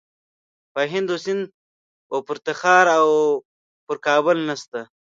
په هند و سند و پر تخار او پر کابل نسته.